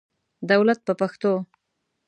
دولت په پښتو.